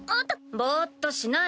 ぼうっとしない。